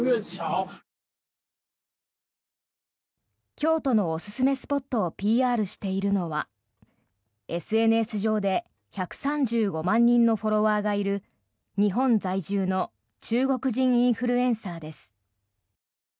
京都のおすすめスポットをＰＲしているのはＳＮＳ上で１３５万人のフォロワーがいる日本在住の中国人インフルエンサーです。